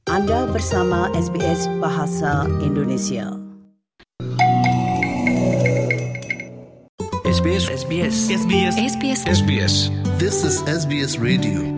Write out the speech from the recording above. anda bersama sps bahasa indonesia